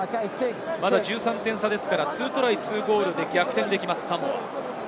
１３点差ですから、２トライ２ゴールで逆転できます、サモア。